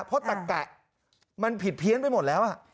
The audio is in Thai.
เพราะตะกะมันผิดเพี้ยนไปหมดแล้ว